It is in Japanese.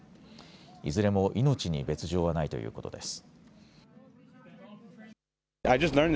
いずれも命に別状はないということです。